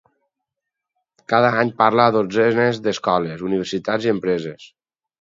Cada any parla a dotzenes d'escoles, universitats i empreses.